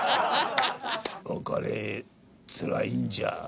「別れツラいんじゃ」。